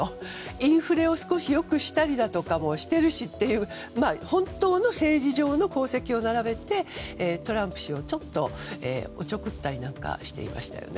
インフレを少し良くしたりとかもしているしという本当の政治上の功績を並べてトランプ氏をちょっとおちょくったりなんかしてましたね。